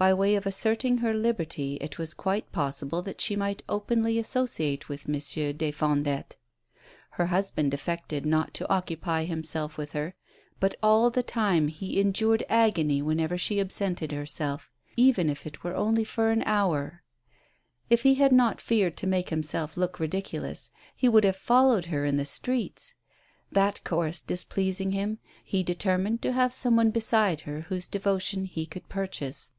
By way of asserting her liberty, it was quite possible that she might openly associate with Monsieur des Fondettes. Her husband affected not to occupy himself with her, but all the time he endured agony whenever she absented herself, even if it were only for an hour. If he had not feared to make himself look ridiculous, he would have followed her in the streets. That course displeasing him, he determined to have some one beside her whose devotion he could purchase.